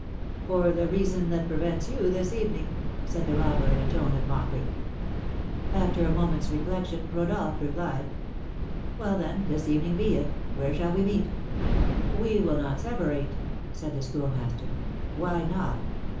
"For the reason that prevents you this evening," said the robber, in a tone of mockery. After a moment's reflection, Rodolph replied: "Well, then, this evening be it. Where shall we meet?" "We will not separate," said the Schoolmaster. "Why not?"